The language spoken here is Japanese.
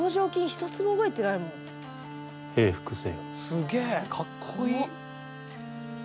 すげえかっこいい！